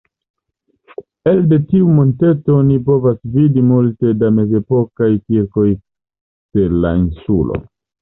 Elde tiu monteto oni povas vidi multe da mezepokaj kirkoj de la insulo.